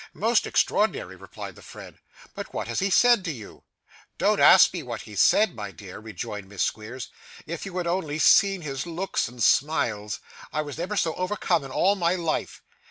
'Most extraordinary,' replied the friend. 'But what has he said to you?' 'Don't ask me what he said, my dear,' rejoined Miss Squeers. 'If you had only seen his looks and smiles! I never was so overcome in all my life.